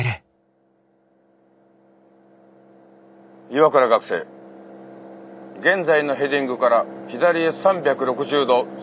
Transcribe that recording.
岩倉学生現在のヘディングから左へ３６０度旋回。